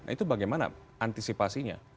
itu bagaimana antisipasinya